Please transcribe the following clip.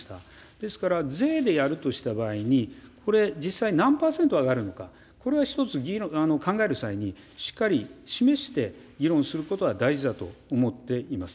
ですから税でやるとした場合に、これ、実際に何％上がるのか、これは一つ考える際に、しっかり示して議論することは大事だと思っています。